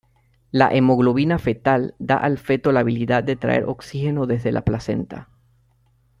La hemoglobina fetal da al feto la habilidad de traer oxígeno desde la placenta.